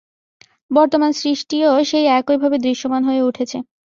বর্তমান সৃষ্টিও সেই একভাবেই দৃশ্যমান হয়ে উঠেছে।